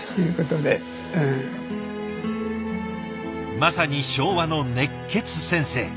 まさに昭和の熱血先生。